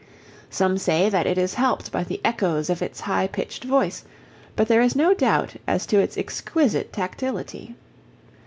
Some say that it is helped by the echoes of its high pitched voice, but there is no doubt as to its exquisite tactility.